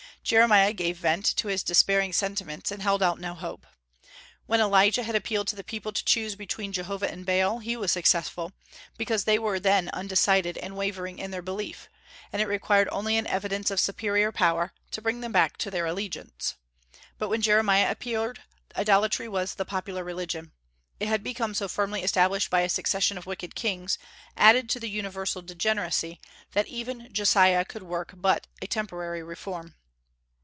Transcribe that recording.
Jeremiah gave vent to his despairing sentiments, and held out no hope. When Elijah had appealed to the people to choose between Jehovah and Baal, he was successful, because they were then undecided and wavering in their belief, and it required only an evidence of superior power to bring them back to their allegiance. But when Jeremiah appeared, idolatry was the popular religion. It had become so firmly established by a succession of wicked kings, added to the universal degeneracy, that even Josiah could work but a temporary reform.